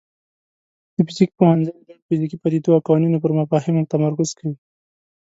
د فزیک پوهنځی د ډیرو فزیکي پدیدو او قوانینو پر مفاهیمو تمرکز کوي.